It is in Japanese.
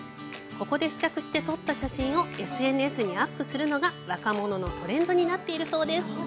ここで試着して撮った写真をＳＮＳにアップするのが若者のトレンドになっているそうです！